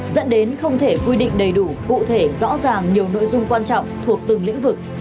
dẫn đến không thể quy định đầy đủ cụ thể rõ ràng nhiều nội dung quan trọng thuộc từng lĩnh vực